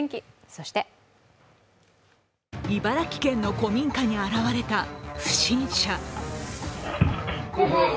そして茨城県の古民家に現れた不審者。